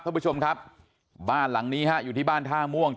ท่านผู้ชมครับบ้านหลังนี้ฮะอยู่ที่บ้านท่าม่วง